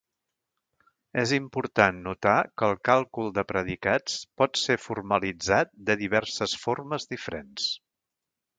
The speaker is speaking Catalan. És important notar que el càlcul de predicats pot ser formalitzat de diverses formes diferents.